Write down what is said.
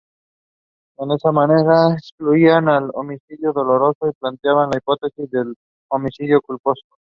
En esta manera excluían el homicidio doloso y planteaban la hipótesis del homicidio culposo.